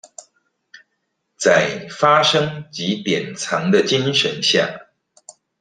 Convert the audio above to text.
在「發生即典藏」的精神下